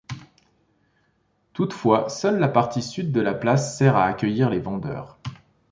Toutefois seule la partie sud de la place sert à accueillir les vendeurs.